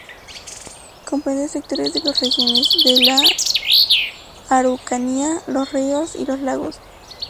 Comprende sectores de las regiones de: la Araucanía, Los Ríos, y Los Lagos.